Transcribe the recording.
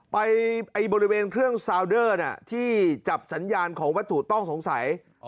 ไปบริเวณเครื่องซาวเดอร์ที่จับสัญญาณของวัตถุต้องสงสัย